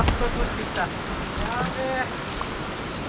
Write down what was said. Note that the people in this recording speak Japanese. やべえ。